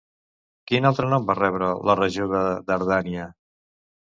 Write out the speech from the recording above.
Quin altre nom va rebre la regió de Dardània?